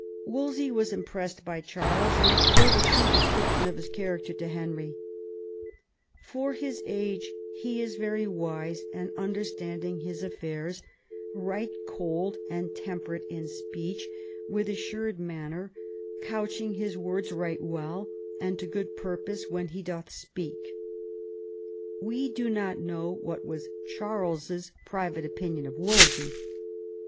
Wolsey was impressed by Charles, and gave a true description of his character to Henry: "For his age he is very wise and understanding his affairs, right cold and temperate in speech, with assured manner, couching his words right well and to good purpose when he doth speak." We do not know what was Charles's private opinion of Wolsey.